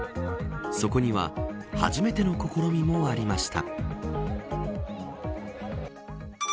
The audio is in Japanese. そこには初めての試みもありました。